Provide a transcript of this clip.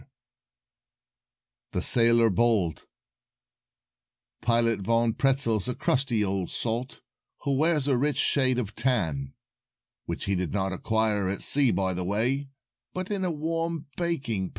[Illustration: A Rising Doctor] THE SAILOR BOLD Pilot Von Pretzel's a crusty old salt Who wears a rich shade of tan; Which he did not acquire at sea, by the way, But in a warm baking pan.